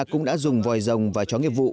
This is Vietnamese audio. cũng đã dùng vòi rồng và chó nghiệp vụ